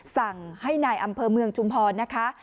สั่งให้นายอำเภอเมืองชุมพรนะคะ